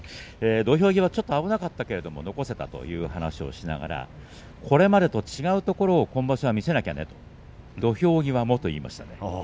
土俵際ちょっと危なかったけども残せたという話をしながらこれまでと違うところ今場所見せなきゃね土俵際も、と言っていました。